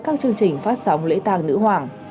các chương trình phát sóng lễ tàng nữ hoàng